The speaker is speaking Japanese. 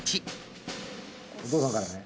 お父さんからね。